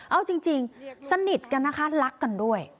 เอาจริงสนิทกันนะคะรักกันด้วย